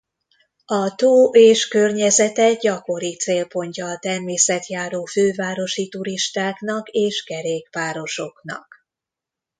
A tó és környezete gyakori célpontja a természetjáró fővárosi turistáknak és kerékpárosoknak.